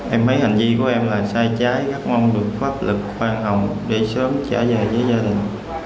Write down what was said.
em thấy hành vi của em là sai trái gắt mong được pháp lực khoan hồng để sớm trở về với dân